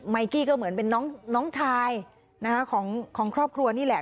กี้ก็เหมือนเป็นน้องชายของครอบครัวนี่แหละ